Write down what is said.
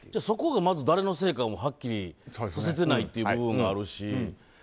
そこがまず、誰のせいかもはっきりさせてないという部分があるし。